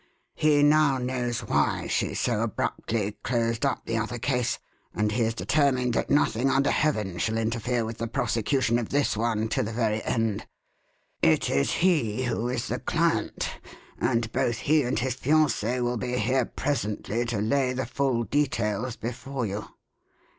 He now knows why she so abruptly closed up the other case, and he is determined that nothing under heaven shall interfere with the prosecution of this one to the very end. It is he who is the client, and both he and his fiancée will be here presently to lay the full details before you."